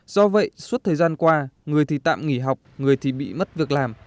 do vậy suốt thời gian qua người thì tạm nghỉ học người thì bị mất việc làm